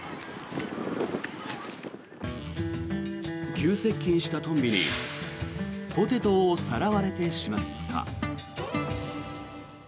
急接近したトンビにポテトをさらわれてしまった。